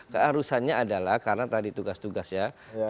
keharusannya adalah karena tadi tugas tugas ya